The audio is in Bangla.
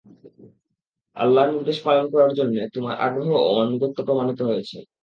আল্লাহর নির্দেশ পালন করার জন্যে তোমার আগ্রহ ও আনুগত্য প্রমাণিত হয়েছে।